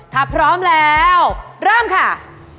ถ้าพร้อมแล้วเริ่มค่ะ